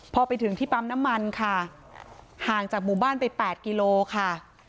พอไปถึงที่ปั๊มน้ำมันค่ะห่างจากหมู่บ้านไป๘กิโลค่ะ